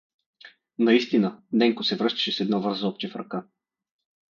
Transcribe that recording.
Наистина, Ненко се връщаше с едно вързопче в ръка.